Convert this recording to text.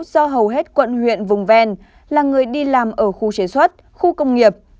do hầu hết quận huyện vùng ven là người đi làm ở khu chế xuất khu công nghiệp